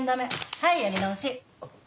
はいやり直し。